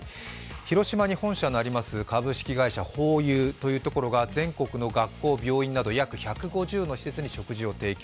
広島に本社があります株式会社ホーユーというところが全国の学校、病院など約１５０の施設に食事を提供。